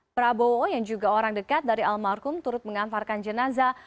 prabowo yang juga orang dekat dari almarhum turut mengantarkan jenazah